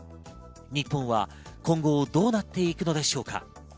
日本は今後どうなっていくのでしょうか？